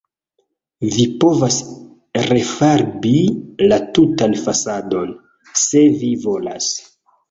Vi povas refarbi la tutan fasadon, se vi volas.